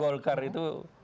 dan partai golkar itu